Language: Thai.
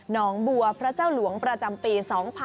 น้องบัวพระเจ้าหลวงประจำปี๒๕๖๒